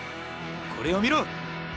これを見ろ。